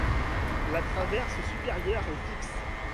La traverse supérieure est fixe.